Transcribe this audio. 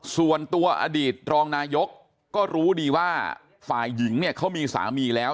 ส่วนตัวอดีตรองนายกก็รู้ดีว่าฝ่ายหญิงเนี่ยเขามีสามีแล้ว